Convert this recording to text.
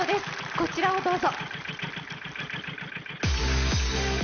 こちらをどうぞ。